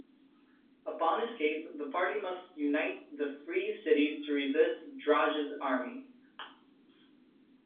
Upon escape, the party must unite the free cities to resist Draj's army.